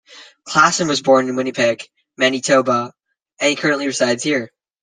Klassen was born in Winnipeg, Manitoba, and currently resides there.